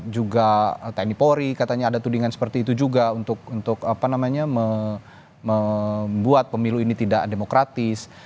juga tni polri katanya ada tudingan seperti itu juga untuk membuat pemilu ini tidak demokratis